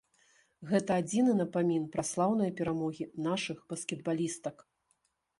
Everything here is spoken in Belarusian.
Гэта адзіны напамін пра слаўныя перамогі нашых баскетбалістак.